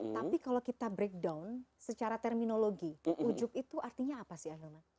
tapi kalau kita breakdown secara terminologi ujub itu artinya apa sih ahilman